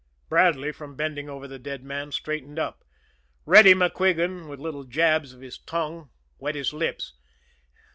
Bradley, from bending over the dead man, straightened up. Reddy MacQuigan, with little jabs of his tongue, wet his lips.